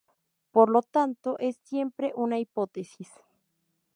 Por lo tanto es siempre una hipótesis.